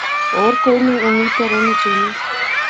ہور کوئی نی امید تے رخنی چاینی